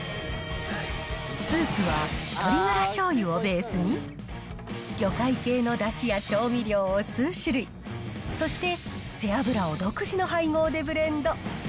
スープは鶏ガラしょうゆをベースに、魚介系のだしや調味料を数種類、そして背脂を独自の配合でブレンド。